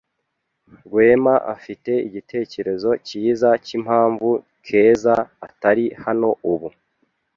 Rwema afite igitekerezo cyiza cyimpamvu Keza atari hano ubu.